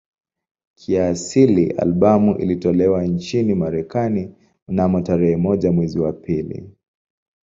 Kiasili albamu ilitolewa nchini Marekani mnamo tarehe moja mwezi wa pili